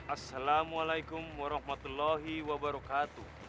assalamualaikum warahmatullahi wabarakatuh